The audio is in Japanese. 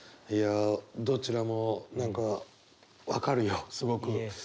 いやどちらも何か分かるよすごく。